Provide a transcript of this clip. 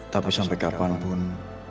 tapi sampai kapanpun